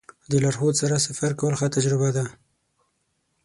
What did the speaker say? د لارښود سره سفر کول ښه تجربه ده.